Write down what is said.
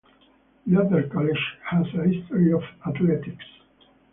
Luther College has a history of athletics.